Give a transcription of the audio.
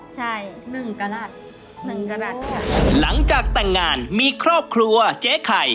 ใช่หนึ่งกระหลัดหนึ่งกระหลัดค่ะหลังจากแต่งงานมีครอบครัวเจ๊ไข่